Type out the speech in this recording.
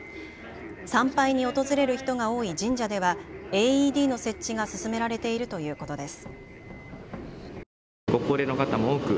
参拝に訪れる人が多い神社ではＡＥＤの設置が進められているということです。